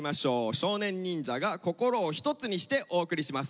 少年忍者が心を一つにしてお送りします。